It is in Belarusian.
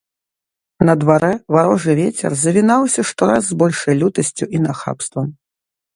На дварэ варожы вецер завінаўся штораз з большай лютасцю і нахабствам.